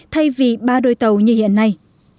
thay vì ba đôi tàu như hiện nay